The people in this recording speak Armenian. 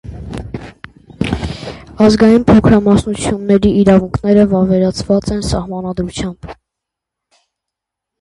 Ազգային փոքրամասնությունների իրավունքները վավերացված են սահմանադրությամբ։